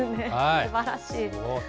すばらしい。